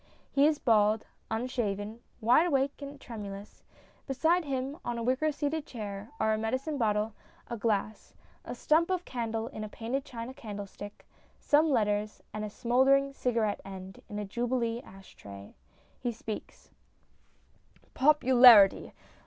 He is bald, unshaven, wide awake and tremulous. Beside him, on a wicker seated chair, are a medicine bottle, a glass, a stump of candle in a painted china candlestick, some letters, and a smouldering cigarette end in a Jubilee ash tray. He speaks : POPULARITY